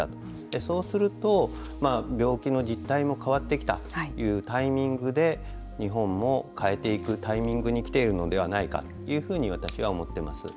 そうすると病気の実態も変わってきたというタイミングで日本も変えていくタイミングに来ているのではないかというふうに私は思ってます。